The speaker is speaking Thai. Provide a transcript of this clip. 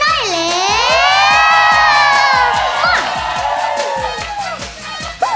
โมโฮโมโฮโมโฮ